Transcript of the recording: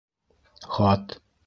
ХАТ